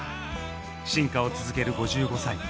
進化を続ける５５歳。